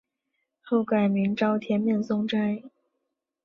后改名沼田面松斋。